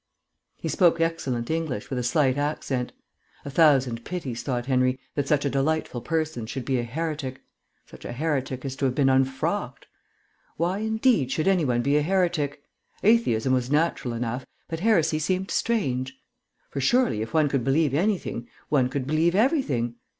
He spoke excellent English with a slight accent. A thousand pities, thought Henry, that such a delightful person should be a heretic such a heretic as to have been unfrocked. Why, indeed, should any one be a heretic? Atheism was natural enough, but heresy seemed strange. For, surely, if one could believe anything, one could believe everything.